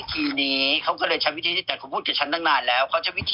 สินทีนี้เขาก็เลยใช้วิธีที่แต่ก็คุณพูดกับฉันตั้งนานแล้ว